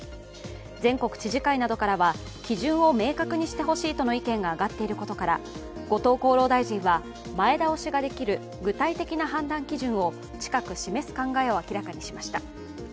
全国知事会などからは基準を明確にしてほしいとの意見が上がっていることから後藤厚労大臣は前倒しができる具体的な判断基準を近く示す考えを明らかにしました。